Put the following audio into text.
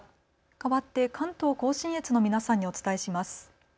かわって関東甲信越の皆さんにお伝えします。